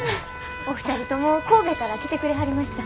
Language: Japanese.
お二人とも神戸から来てくれはりました。